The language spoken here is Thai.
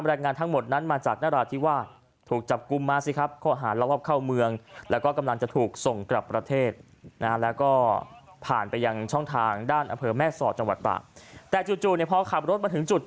บรรยายงานทั้งหมดนั้นมาจากนราธิวาส